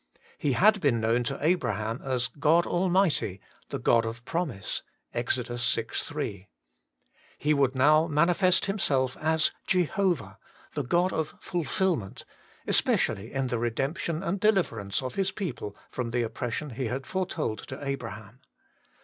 He had been known to Abraham as God Almighty, the God of Promise (Ex. vi. 3). He would now manifest Himself as Jehovah, the God of Fulfilment, especially in the redemption and deliverance of His people from the oppression He had foretold to Abraham.